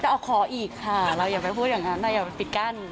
แต่เอาขออีกค่ะเราอย่าไปพูดอย่างนั้นอย่าไปปิดกั้น